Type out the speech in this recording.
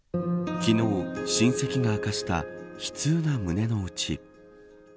昨日、親戚が明かした悲痛な胸の内。